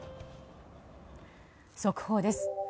速報です。